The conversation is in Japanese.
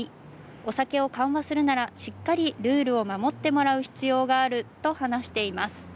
お酒を緩和するなら、しっかりルールを守ってもらう必要があると話しています。